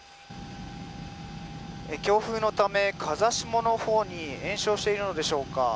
強風のため風下のほうに延焼しているのでしょうか。